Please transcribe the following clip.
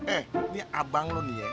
eh ini abang loh nih ya